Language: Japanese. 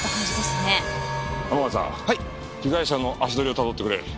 被害者の足取りをたどってくれ。